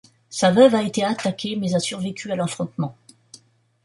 Sa veuve a été attaquée mais a survécu à l'affrontement.